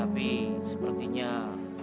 tapi sepertinya adrian bersikeras